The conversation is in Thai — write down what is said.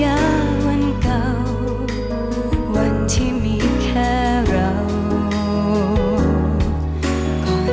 ภาพว่านั้นไม่เคยจะเลือนหาย